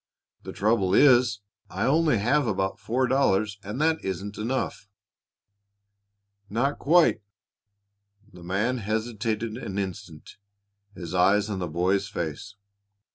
"The trouble is I only have about four dollars and that isn't enough." "Not quite," The man hesitated an instant, his eyes on the boy's face.